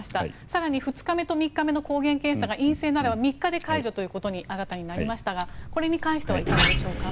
更に２日目と３日目の抗原検査が陰性ならば３日で解除ということに新たになりましたがこれに関してはいかがでしょうか。